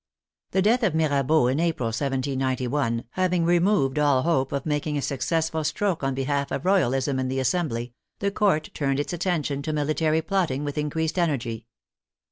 The death of Mirabeau, in April, 1791, having removed all hope of making a successful stroke on behalf of Royal ism in the Assembly, the Court turned its attention to military plotting with increased energy.